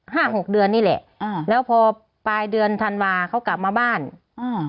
หกเดือนนี่แหละอ่าแล้วพอปลายเดือนธันวาเขากลับมาบ้านอ่า